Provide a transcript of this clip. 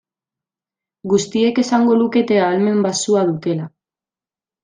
Guztiek esango lukete ahalmen baxua dutela.